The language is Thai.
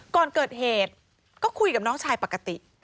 ก่อนเกิดเหตุก็คุยกับน้องชายปกติ